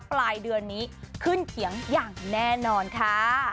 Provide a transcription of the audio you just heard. ปลายเดือนนี้ขึ้นเขียงอย่างแน่นอนค่ะ